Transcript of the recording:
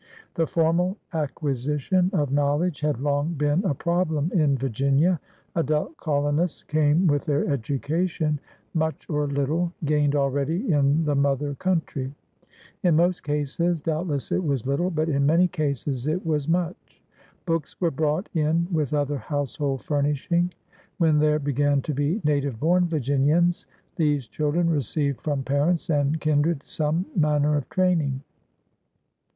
The formal acquisition ol knowledge had long 214 PIONEERS OP THE OLD SOUTH been a problem in Virginia. Adult colonists came with their education, much or little, gained already in the mother country. In most cases, doubt less, it was little, but in many cases it was much. Books were brought in with other household fur nishing. When there began to be native bom Virginians, these children received from parents and kindred some manner of training.